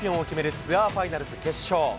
ツアーファイナルズ決勝。